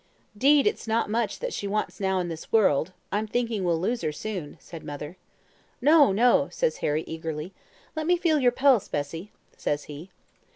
"''Deed it's no much that she wants now in this world; I'm thinking we'll lose her soon,' said mother. "'No, no,' says Harry eagerly. 'Let me feel your pulse, Bessie,' says he.